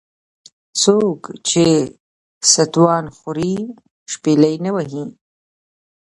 ـ څوک چې ستوان خوري شپېلۍ نه وهي .